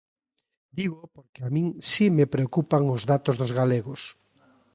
Dígoo porque a min si me preocupan os datos dos galegos.